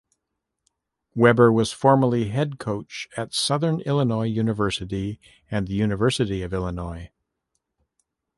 Weber was formerly head coach at Southern Illinois University and the University of Illinois.